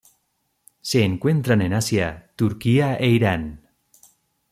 Se encuentran en Asia: Turquía e Irán.